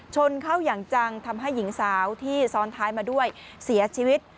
ชนเข้าอย่างจังทำให้หญิงสาวที่ซ้อนท้ายมาด้วยเสียชีวิต